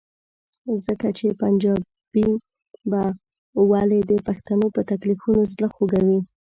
ځکه چې پنجابی به ولې د پښتنو په تکلیفونو زړه خوږوي؟